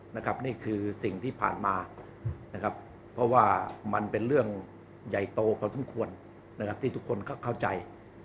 นี่คือสิ่งที่ผ่านมานะครับเพราะว่ามันเป็นเรื่องใหญ่โตพอสมควรนะครับที่ทุกคนก็เข้าใจ